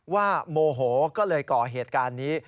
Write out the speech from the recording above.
โมโหก็เลยก่อเหตุการณ์นี้